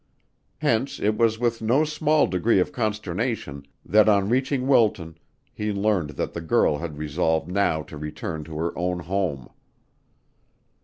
Hence it was with no small degree of consternation that on reaching Wilton he learned that the girl had resolved now to return to her own home.